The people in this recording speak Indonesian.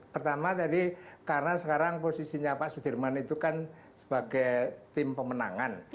pertama tadi karena sekarang posisinya pak sudirman itu kan sebagai tim pemenangan